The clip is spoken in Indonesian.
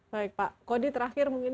baik pak kodi terakhir mungkin